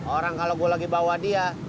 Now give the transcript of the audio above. orang kalau gue lagi bawa dia